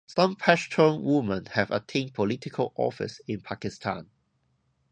Some Pashtun women have attained political office in Pakistan.